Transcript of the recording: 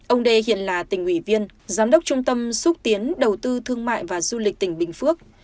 ông đê hiện là tỉnh ủy viên giám đốc trung tâm xúc tiến đầu tư thương mại và du lịch tỉnh bình phước